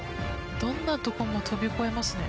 どんなとこも飛び越えますね。